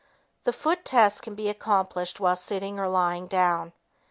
The foot test can be accomplished while sitting or lying down.